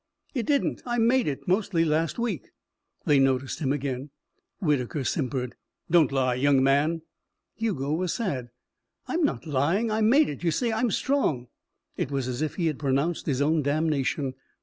"It didn't. I made it mostly last week." They noticed him again. Whitaker simpered. "Don't lie, young man." Hugo was sad. "I'm not lying. I made it. You see I'm strong." It was as if he had pronounced his own damnation.